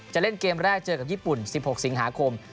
จะเล่นเกมแรกเจอกับญี่ปุ่น๑๖สิงหาคม